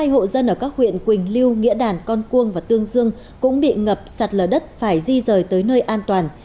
hai mươi hộ dân ở các huyện quỳnh lưu nghĩa đàn con cuông và tương dương cũng bị ngập sạt lở đất phải di rời tới nơi an toàn